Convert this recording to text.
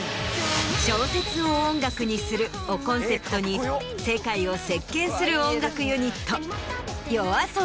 「小説を音楽にする」をコンセプトに世界を席巻する。